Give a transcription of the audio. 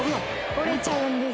「折れちゃうんです」